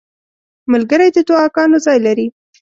ملګری د دعاګانو ځای لري.